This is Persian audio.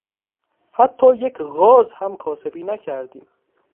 حتی یک غاز هم کاسبی نکردیم!